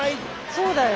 そうだよ。